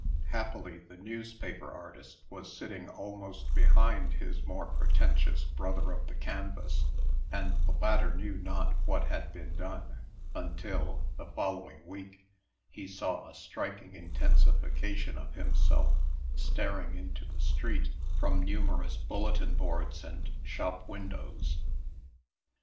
Happily, the newspaper artist was sitting almost behind his more pretentious brother of the canvas, and the latter knew not what had been done, until, the following week, he saw a striking intensification of himself staring into the street from numerous bulletin boards and shop windows.